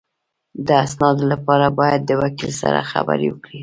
د اسنادو لپاره باید د وکیل سره خبرې وکړې